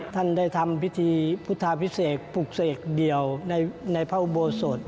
ท่านได้ทำพิธีพุทธาพิเศษปลูกเสกเดียวในพระอุโบสถ